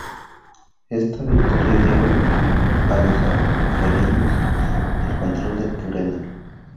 Esta victoria dio a los angevinos el control de Turena.